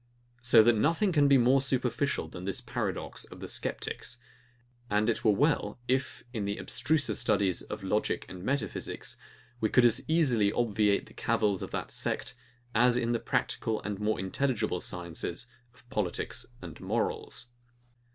So that nothing can be more superficial than this paradox of the sceptics; and it were well, if, in the abstruser studies of logic and metaphysics, we could as easily obviate the cavils of that sect, as in the practical and more intelligible sciences of politics and morals.